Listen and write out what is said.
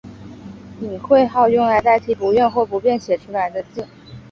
隐讳号用来代替不愿或不便写出来的字。